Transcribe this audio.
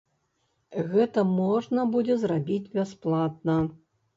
Гэта можна будзе зрабіць бясплатна.